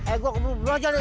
eh gue keburu buru aja deh